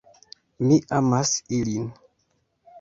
Mi amas ilin!